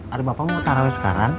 aduh bapak mau taro aja sekarang